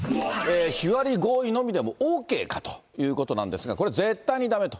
日割り合意のみでもＯＫかということなんですが、これ、絶対にだめと。